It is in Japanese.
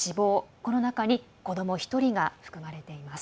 この中に子ども１人が含まれています。